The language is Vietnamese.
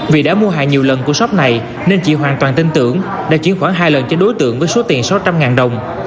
vì đã mua hàng nhiều lần của shop này nên chị hoàn toàn tin tưởng đã chuyển khoảng hai lần cho đối tượng với số tiền sáu trăm linh đồng